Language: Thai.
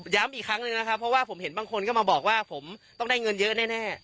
อีกครั้งหนึ่งนะครับเพราะว่าผมเห็นบางคนก็มาบอกว่าผมต้องได้เงินเยอะแน่